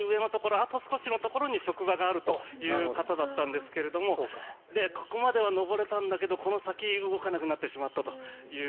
あと少しのところに職場があるという方だったんですがここまでは上れたんだけどこの先動かなくなってしまったと。